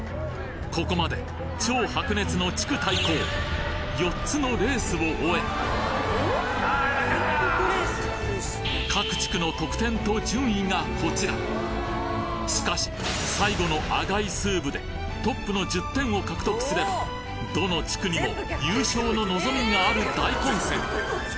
ここまで超白熱の地区対抗４つのレースを終え各地区の得点と順位がこちらしかし最後のアガイスーブでトップの１０点を獲得すればどの地区にも優勝の望みがある大混戦！